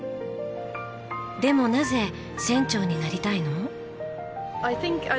でもなぜ船長になりたいの？